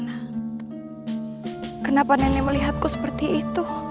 nah kenapa nenek melihatku seperti itu